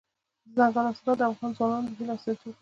دځنګل حاصلات د افغان ځوانانو د هیلو استازیتوب کوي.